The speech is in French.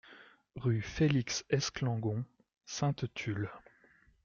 Rue Felix Esclangon, Sainte-Tulle